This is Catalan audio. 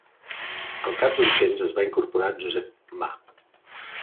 Al cap d'un temps es van incorporar Josep Ma.